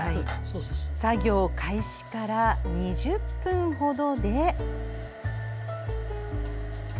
作業開始から２０分ほどで。